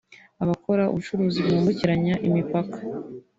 Abakora ubucuruzi bwambukiranya imipaka